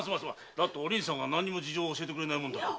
だってお凛さんが何も事情を教えてくれないから。